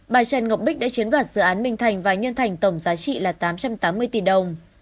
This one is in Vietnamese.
bà trần ngọc bích đã chiếm đoạt dự án minh thành và nhân thành tổng giá trị là tám trăm tám mươi tỷ đồng